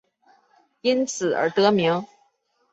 因此而得名。